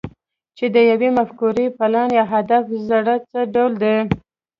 چې د يوې مفکورې، پلان، يا هدف زړی څه ډول دی؟